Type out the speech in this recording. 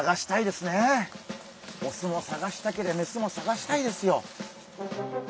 オスも探したけりゃメスも探したいですよ。